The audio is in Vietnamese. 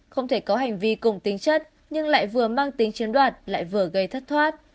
không thể có hành vi cùng tính chất nhưng lại vừa mang tính chiến đoạt lại vừa gây thất thoát